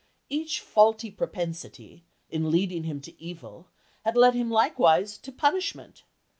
Each faulty propensity, in leading him to evil, had led him likewise to punishment.